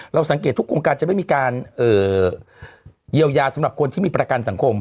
สังเกตทุกโครงการจะไม่มีการเยียวยาสำหรับคนที่มีประกันสังคม